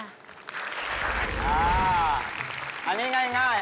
อันนี้ง่าย